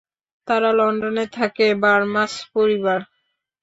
তারা লন্ডনে থাকে, ভার্মাস পরিবার।